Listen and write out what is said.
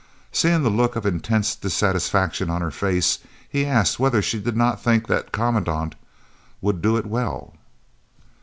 Seeing the look of intense dissatisfaction on her face, he asked whether she did not think that Commandant would do it well.